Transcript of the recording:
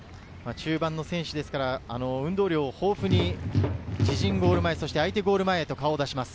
中盤の選手ですから運動量豊富に自陣ゴール前、相手ゴール前に顔を出します。